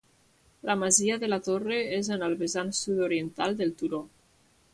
La masia de la Torre és en el vessant sud-oriental del turó.